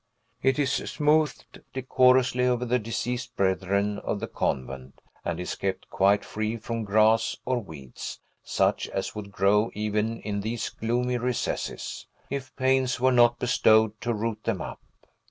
It is smoothed decorously over the deceased brethren of the convent, and is kept quite free from grass or weeds, such as would grow even in these gloomy recesses, if pains were not bestowed to root them up.